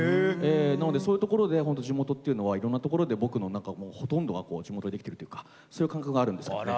なのでそういうところで本当地元っていうのはいろんなところで僕の何かほとんどが地元で出来てるっていうかそういう感覚があるんですけどね。